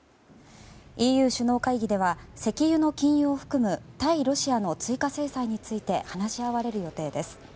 ＥＵ首脳会議では石油の禁輸を含む対ロシアの追加制裁について話し合われる予定です。